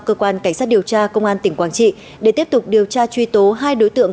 cơ quan cảnh sát điều tra công an tỉnh quảng trị để tiếp tục điều tra truy tố hai đối tượng